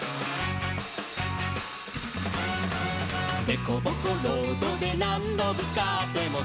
「でこぼこロードでなんどぶつかっても」